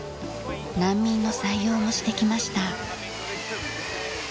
難民の採用もしてきました。